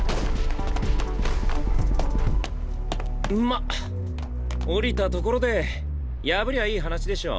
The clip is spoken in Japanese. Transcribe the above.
まっ下りたところで破りゃいい話でしょ。